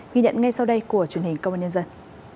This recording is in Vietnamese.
ghi nhận ngay sau đây của truyền hình công an nhân dân